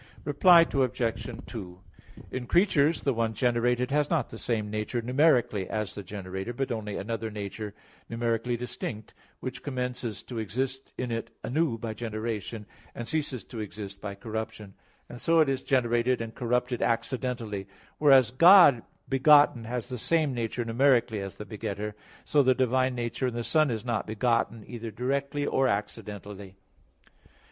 Reply Obj. 2: In creatures the one generated has not the same nature numerically as the generator, but another nature, numerically distinct, which commences to exist in it anew by generation, and ceases to exist by corruption, and so it is generated and corrupted accidentally; whereas God begotten has the same nature numerically as the begetter. So the divine nature in the Son is not begotten either directly or accidentally.